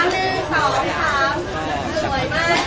สวยมากค่ะ